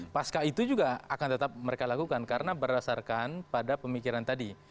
pasca itu juga akan tetap mereka lakukan karena berdasarkan pada pemikiran tadi